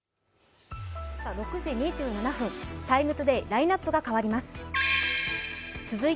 ６時２７分、「ＴＩＭＥ，ＴＯＤＡＹ」ラインナップが変わります。